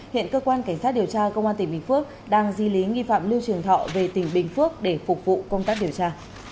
hiện cơ quan cảnh sát điều tra công an tỉnh bình phước đang di lý nghi phạm lưu trường thọ về tỉnh bình phước để phục vụ công tác điều tra